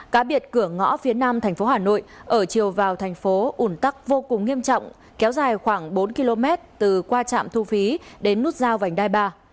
cá biệt cửa ngõ phía nam thành phố hà nội ở chiều vào thành phố ủn tắc vô cùng nghiêm trọng kéo dài khoảng bốn km từ qua trạm thu phí đến nút giao vành đai ba